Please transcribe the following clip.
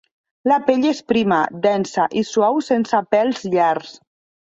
La pell és prima, densa i suau sense pèls llargs.